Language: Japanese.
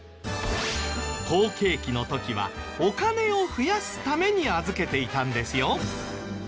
好景気の時はお金を増やすために預けていたんですよ。